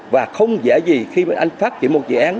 và không dễ gì khi anh phát triển một dự án